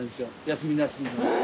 休みなし。